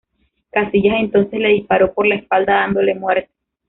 Casillas entonces le disparó por la espalda dándole muerte.